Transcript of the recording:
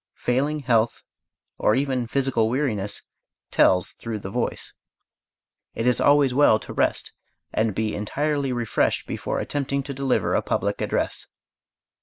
Failing health, or even physical weariness, tells through the voice. It is always well to rest and be entirely refreshed before attempting to deliver a public address.